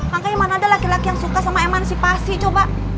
makanya mana ada laki laki yang suka sama emansipasi coba